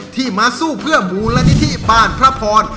ที่มาสู้เพื่อมูลนิธิบ้านพระพร